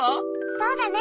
そうだね。